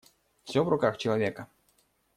Всё в руках человека.